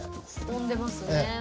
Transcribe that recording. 込んでますね。